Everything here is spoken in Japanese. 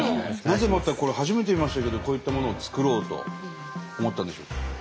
なぜまたこれ初めて見ましたけどこういったものを作ろうと思ったんでしょう？